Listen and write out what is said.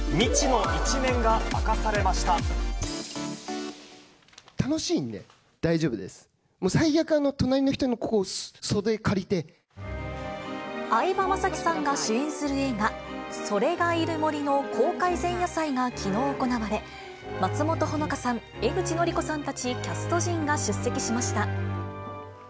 もう最悪、隣の人のここ、袖借り相葉雅紀さんが主演する映画、それがいる森の公開前夜祭がきのう行われ、松本穂香さん、江口のりこさんたちキャスト陣が出席しました。